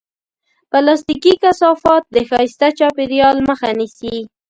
پلاستيکي کثافات د ښایسته چاپېریال مخه نیسي.